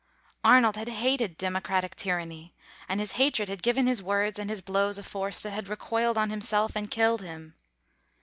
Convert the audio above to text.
Arnold had hated democratic tyranny, and his hatred had given his words and his blows a force that had recoiled on himself and killed him.